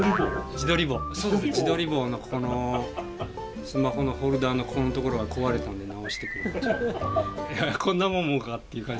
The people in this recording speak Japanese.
自撮り棒のここのスマホのホルダーのここの所が壊れたんで直してくれ。